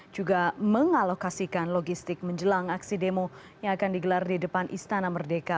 juga mengalokasikan logistik menjelang aksi demo yang akan digelar di depan istana merdeka